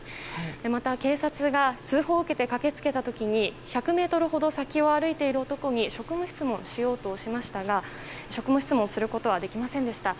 また、警察が通報を受けて駆け付けた時に１００ｍほど先を歩いている男に職務質問しようとしましたが職務質問することはできませんでした。